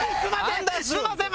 すみません！